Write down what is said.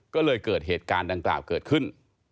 ก็เลยเกิดเหตุการณ์ดังกล่าวเกิดขึ้น